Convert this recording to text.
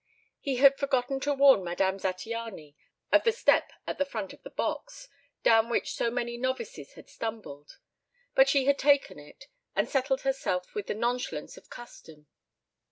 He had forgotten to warn Madame Zattiany of the step at the front of the box, down which so many novices had stumbled, but she had taken it and settled herself with the nonchalance of custom.